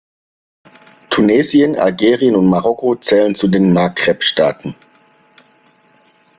Tunesien, Algerien und Marokko zählen zu den Maghreb-Staaten.